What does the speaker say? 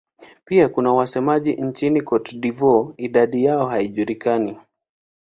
Pia kuna wasemaji nchini Cote d'Ivoire; idadi yao haijulikani.